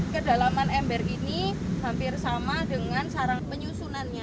kedalaman ember ini hampir sama dengan sarang penyusunannya